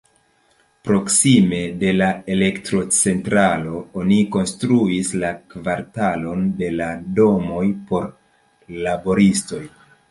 Proksime de la elektrocentralo oni konstruis la kvartalon de la domoj por laboristoj.